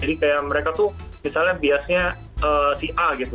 jadi kayak mereka tuh misalnya biasanya si a gitu